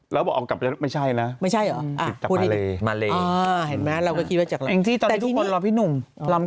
แล้วว่าออกกลับไปแล้วไม่ใช่นะ